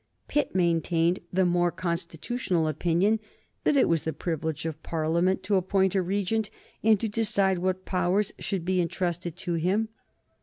Pitt maintained the more constitutional opinion that it was the privilege of Parliament to appoint a regent and to decide what powers should be intrusted to him.